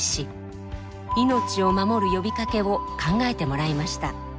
「命を守る呼びかけ」を考えてもらいました。